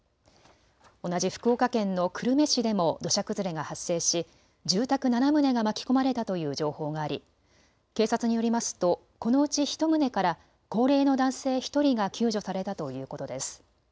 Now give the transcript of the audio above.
同じ福岡県の久留米市でも土砂崩れが発生し住宅７棟が巻き込まれたという情報があり警察によりますとこのうち１棟から高齢の男性１人が救助されたということです。